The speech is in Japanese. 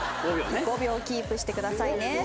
５秒キープしてくださいね。